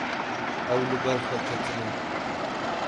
Ew li ber xwe ketine.